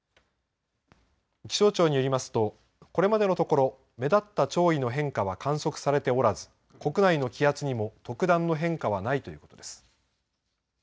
気象庁によりますとこれまでのところ目立った潮位の変化は観測されておらず国内の気圧にも特段の変化はないということです。